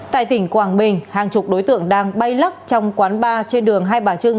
tại tỉnh quảng bình hàng chục đối tượng đang bay lắp trong quán bar trên đường hai bà trưng